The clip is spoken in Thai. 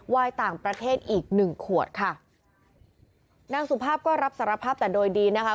ต่างประเทศอีกหนึ่งขวดค่ะนางสุภาพก็รับสารภาพแต่โดยดีนะคะ